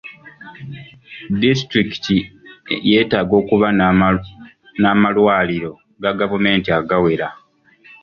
Disitulikiti yeetaaga okuba n'amalwaliro ga gavumenti agawera.